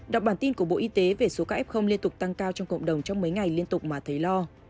đọc bản tin của bộ y tế về số các f liên tục tăng cao trong cộng đồng trong mấy ngày liên tục mà thấy lo